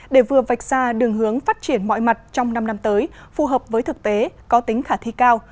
để vừa vạch ra đường hướng phát triển mọi mặt trong năm năm tới phù hợp với thực tế có tính khả thi cao